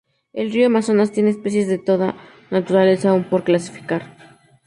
El río Amazonas, tiene especies de toda naturaleza aún por clasificar.